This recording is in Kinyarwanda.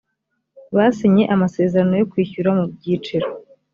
basinye amasezerano yo kwishyura mu byiciro